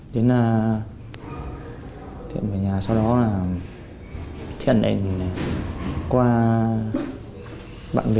đến thiện về nhà sau đó thiện qua bạn bè